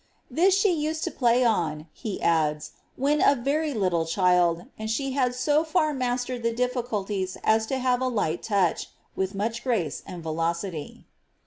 << This she used to play on^ he adds, ^ when a Teiy Ihde child ; and she had so far mastered the difficulties as to have a light touch, with much grace and velocity."